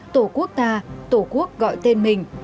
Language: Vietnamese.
tổ quốc ta tổ quốc gọi tên mình